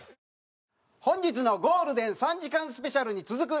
本日のゴールデン３時間スペシャルに続く